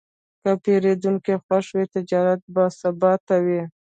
که پیرودونکی خوښ وي، تجارت باثباته وي.